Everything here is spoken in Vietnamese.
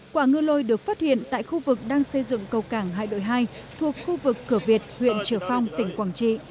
quả ngư lôi được phát hiện tại khu vực đang xây dựng cầu cảng hải đội hai thuộc khu vực cửa việt huyện triều phong tỉnh quảng trị